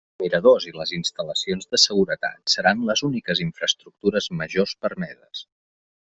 Els miradors i les instal·lacions de seguretat seran les úniques infraestructures majors permeses.